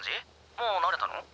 もう慣れたの？